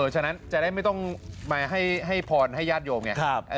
ฉะนั้นจะได้ไม่ต้องมาให้พรให้ญาติโยมไง